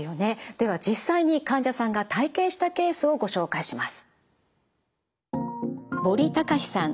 では実際に患者さんが体験したケースをご紹介します。